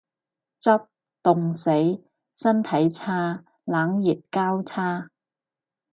執，凍死。身體差。冷熱交叉